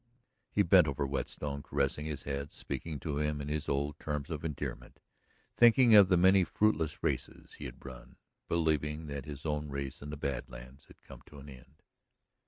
He bent over Whetstone, caressing his head, speaking to him in his old terms of endearment, thinking of the many fruitless races he had run, believing that his own race in the Bad Lands had come to an end.